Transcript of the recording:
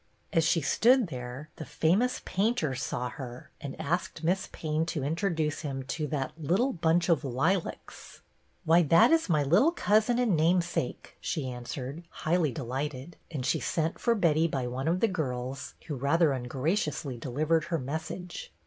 As she stood there, the famous painter saw her and asked Miss Payne to introduce him to " that little bunch of lilacs." HER FIRST RECEPTION 109 " Why, that is my little cousin and name sake," she answered, highly delighted, and she sent for Betty by one of the girls, who rather ungraciously delivered her message.